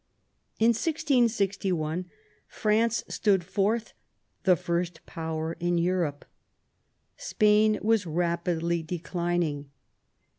In 1661 France stood forth the first power in Europe. Spain was rapidly declining.